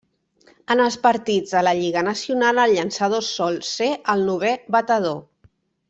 En els partits de la Lliga Nacional el llançador sol ser el novè batedor.